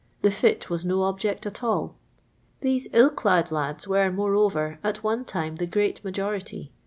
The tit was no object at all. These ill clad lads were, moreover, at one time the great nwjnritr.